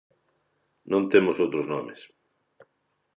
Non temos outros nomes.